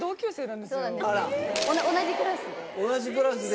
同じクラスで。